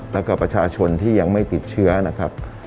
แล้วก็ประชาชนที่ยังไม่ติดเชื้อนะครับ